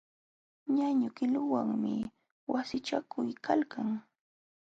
Ñañu qiluwanmi wasichakuykalkan.